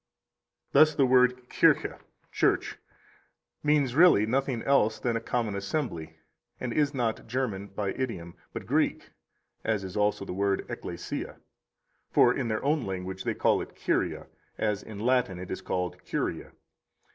Thus the word Kirche (church) means really nothing else than a common assembly, and is not German by idiom, but Greek (as is also the word ecclesia); for in their own language they call it kyria, as in Latin it is called curia.